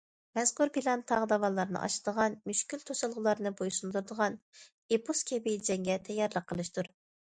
مەزكۇر پىلان تاغ- داۋانلارنى ئاشىدىغان، مۈشكۈل توسالغۇلارنى بوي سۇندۇرىدىغان ئېپوس كەبى جەڭگە تەييارلىق قىلىشتۇر.